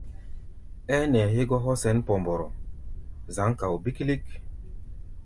Ɛ́ɛ́ nɛɛ hɛ́gɔ́ hɔ́ sɛn Pɔmbɔrɔ, zǎŋ kao bíkílík.